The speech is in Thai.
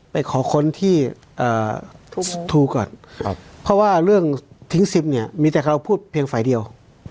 ไปขอคนที่ถูกก่อนเพราะว่าเรื่องทิ้งซิมเนี่ยมีแต่เราพูดเพียงฝ่ายเดียว